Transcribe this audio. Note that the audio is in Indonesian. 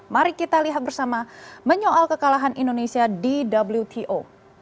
mari kita lihat bersama menyoal kekalahan indonesia di wto